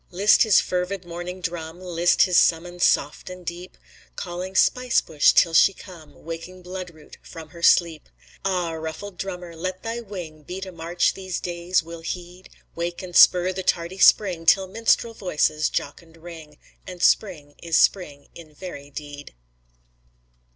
List his fervid morning drum, List his summons soft and deep, Calling Spice bush till she come, Waking Bloodroot from her sleep. Ah! ruffled drummer, let thy wing Beat a march the days will heed, Wake and spur the tardy spring, Till minstrel voices jocund ring, And spring is spring in very deed.